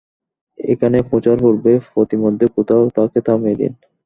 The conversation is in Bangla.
এখানে পৌঁছার পূর্বেই পথিমধ্যে কোথাও তাকে থামিয়ে দিন।